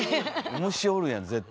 虫おるやん絶対。